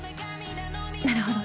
なるほど。